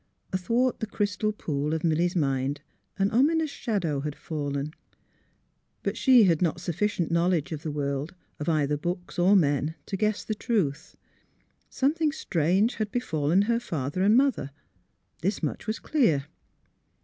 Athwart the crystal pool of Milly 's mind an ominous shadow had fallen. But she had not sufficient knowledge of the world, of either books or men, to guess the truth. Something strange had befallen her father and mother — this much was clear.